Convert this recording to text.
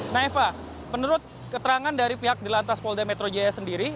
nah eva menurut keterangan dari pihak di lantas polda metro jaya sendiri